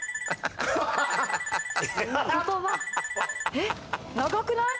「言葉」「えっ長くない？